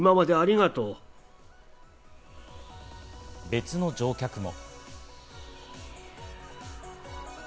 別の乗客も。